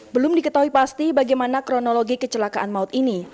belum diketahui pasti bagaimana kronologi kecelakaan maut ini